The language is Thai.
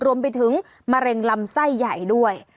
รวมไปถึงมะเร็งลำไส้ใหญ่ด้วย